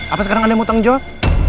apa sekarang anda mau tanggung jawab